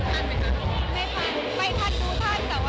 ไม่ทันทูทันแต่ว่าทันไปแล้วค่ะ